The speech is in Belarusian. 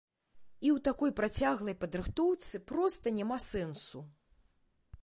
І ў такой працяглай падрыхтоўцы проста няма сэнсу.